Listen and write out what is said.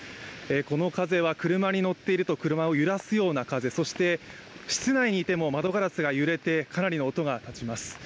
この風は車に乗っていると車を揺らすような風、そして室内にいても窓ガラスが揺れて、かなりの音がします。